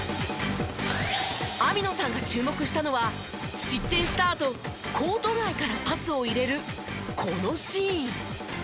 網野さんが注目したのは失点したあとコート外からパスを入れるこのシーン。